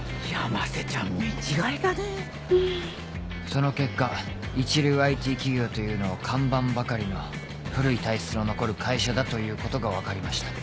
その結果一流 ＩＴ 企業というのは看板ばかりの古い体質の残る会社だということが分かりました